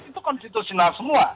itu konstitusional semua